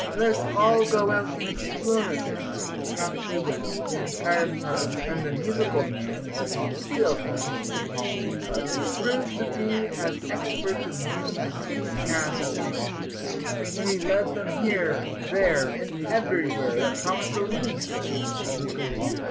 "Let us all go out and explore a bit," and off they went, the entire party. And the "musical man," as Tom still continued to call him in private, proved to be as expert in the use of his feet as his fingers, for he led them here, there, and everywhere that promised the least chance of a good view.